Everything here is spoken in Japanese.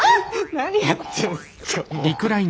何やってんすか？